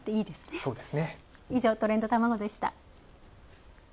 以上、トレンドたまごでした。